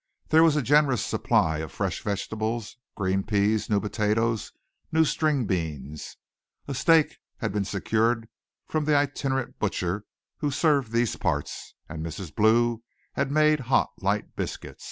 There was a generous supply of fresh vegetables, green peas, new potatoes, new string beans. A steak had been secured from the itinerant butcher who served these parts and Mrs. Blue had made hot light biscuit.